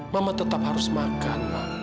mama tetap harus makan